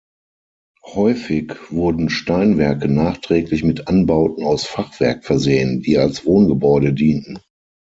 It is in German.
Häufig wurden Steinwerke nachträglich mit Anbauten aus Fachwerk versehen, die als Wohngebäude dienten.